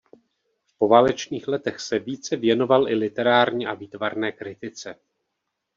V poválečných letech se více věnoval i literární a výtvarné kritice.